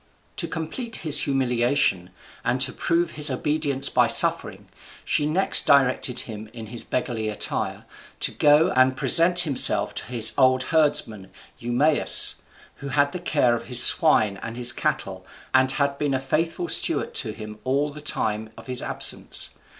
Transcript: To complete his humiliation, and to prove his obedience by suffering, she next directed him in his beggarly attire to go and present himself to his old herdsman Eumaeus, who had the care of his swine and his cattle, and had been a faithful steward to him all the time of his absence.